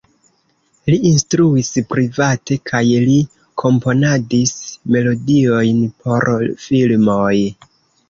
Li instruis private kaj li komponadis melodiojn por filmoj.